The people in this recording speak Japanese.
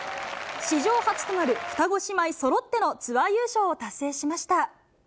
史上初となる双子姉妹そろってのツアー優勝を達成しました。